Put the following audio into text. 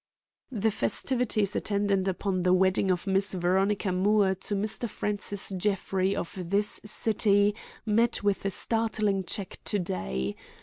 "The festivities attendant upon the wedding of Miss Veronica Moore to Mr. Francis Jeffrey of this city met with a startling check today.